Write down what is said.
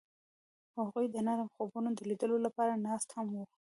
هغوی د نرم خوبونو د لیدلو لپاره ناست هم وو.